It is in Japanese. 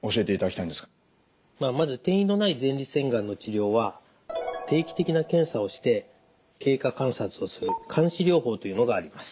まあまず転移のない前立腺がんの治療は定期的な検査をして経過観察をする監視療法というのがあります。